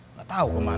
nggak tau ke mana